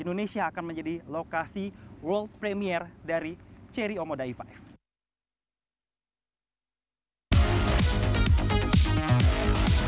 indonesia akan menjadi lokasi world premiere dari cherry omoda e lima